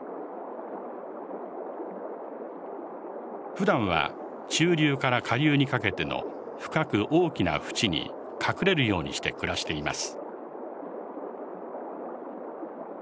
ふだんは中流から下流にかけての深く大きなふちに隠れるようにして暮らしています。